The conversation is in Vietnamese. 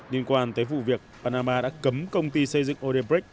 liên quan tới vụ việc panama đã cấm công ty xây dựng odepric